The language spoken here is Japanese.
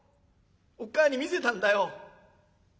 おっ母ぁに見せたんだよ。